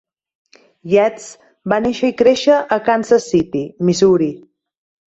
Yates va néixer i créixer a Kansas City, Missouri.